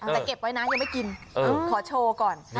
แต่เก็บไว้นะยังไม่กินขอโชว์ก่อน